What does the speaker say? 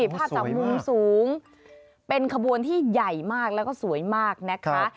ภาพจากมุมสูงเป็นขบวนที่ใหญ่มากแล้วก็สวยมากนะคะ